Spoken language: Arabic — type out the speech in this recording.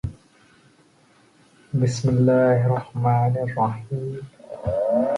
لعينيك من جارة جائره